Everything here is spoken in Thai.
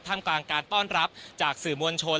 ทำกลางการต้อนรับจากสื่อมวลชน